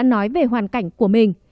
huyên đã nói về hoàn cảnh của mình